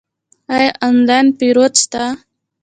آیا آنلاین پیرود شته؟